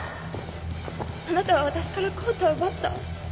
あなたは私から康太を奪った。